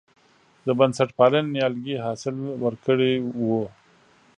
د بنسټپالنې نیالګي حاصل ورکړی و.